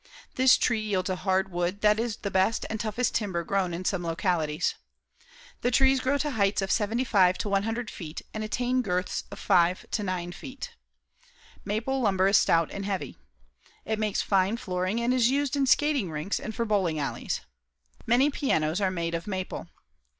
This tree yields a hard wood that is the best and toughest timber grown in some localities. The trees grow to heights of 75 to 100 feet and attain girths of 5 to 9 feet. Maple lumber is stout and heavy. It makes fine flooring and is used in skating rinks and for bowling alleys. Many pianos are made of maple.